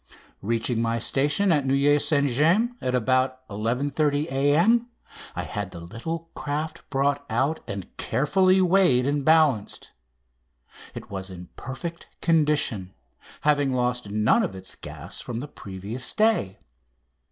Reaching my station at Neuilly St James at about 11.30 A.M. I had the little craft brought out and carefully weighed and balanced. It was in perfect condition, having lost none of its gas from the previous day.